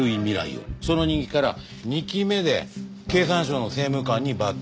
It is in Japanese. その人気から２期目で経産省の政務官に抜擢。